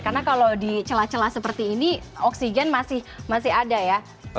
karena kalau di celah celah seperti ini oksigen masih ada ya